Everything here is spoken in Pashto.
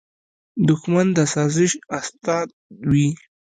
دښمن د سازش استاد وي